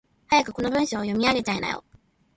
早くこの文章を読み上げちゃいなよ。